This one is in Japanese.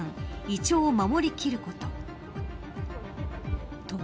イチョウを守り切ること。